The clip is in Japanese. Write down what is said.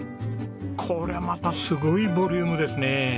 こりゃまたすごいボリュームですね。